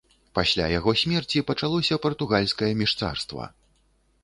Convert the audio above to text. Пасля яго смерці пачалося партугальскае міжцарства.